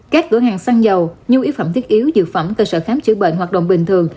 các cửa hàng xăng dầu nhu yếu phẩm thiết yếu dược phẩm cơ sở khám chữa bệnh hoạt động bình thường